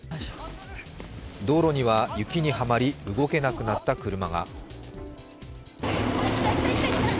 道路には雪にはまり動けなくなった車が。